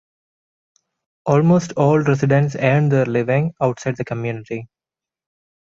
Almost all residents earn their living outside the community.